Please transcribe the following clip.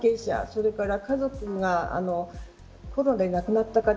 それから、家族がコロナで亡くなった方